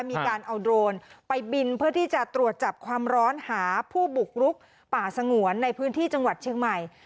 มีการเอาโดรนไปบินเพื่อที่จะตรวจจับความร้อนหาผู้บุกรุกป่าสงวนในพื้นที่จังหวัดเชียงใหม่